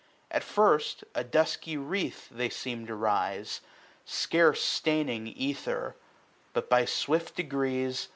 145 At first a dusky wreath they seem to rise. Scarce staining ether ; but by swift degrees, /f?